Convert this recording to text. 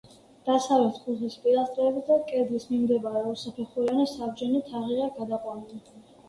დასავლეთ კუთხის პილასტრებზე კედლის მიმდებარე ორსაფეხურიანი საბჯენი თაღია გადაყვანილი.